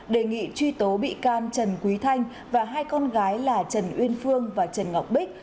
đề nghị truy tố bị can trần quý thanh và hai con gái là trần uyên phương và trần ngọc bích